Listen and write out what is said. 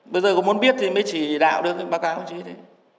bây giờ có muốn biết thì mới chỉ đạo được báo cáo chứ